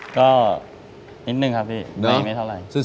ก็นิดนึงครับพี่ไม่เท่าไหร่